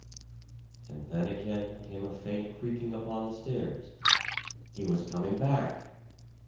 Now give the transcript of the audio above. And then again came a faint creaking upon the stairs. He was coming back!